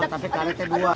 mau tapi karetnya dua